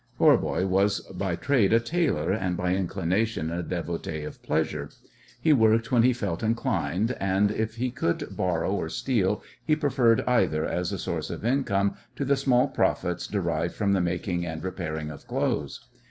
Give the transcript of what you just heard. Voirbo was by trade a tailor, and by inclination a devotee of pleasure. He worked when he felt inclined, and if he could borrow or steal he preferred either as a source of income to the small profits derived from the making and repairing of clothes.